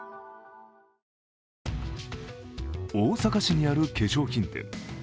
大阪市にある化粧品店。